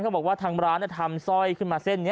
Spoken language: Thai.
บอกว่าทางร้านทำสร้อยขึ้นมาเส้นนี้